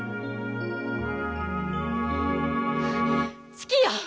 好きよ！